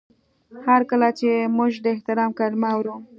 هر کله چې موږ د احترام کلمه اورو.